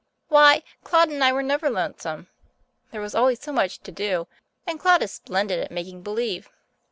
Why, Claude and I were never lonesome. There was always so much to do, and Claude is splendid at making believe.